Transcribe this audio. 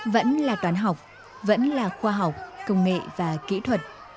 vẫn là toán học vẫn là khoa học công nghệ và kỹ thuật